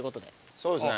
そうですね。